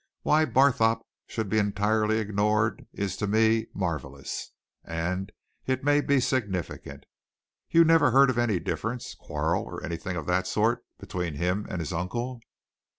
"Why Barthorpe should be entirely ignored is to me marvellous. And it may be significant. You never heard of any difference, quarrel, anything of that sort, between him and his uncle?"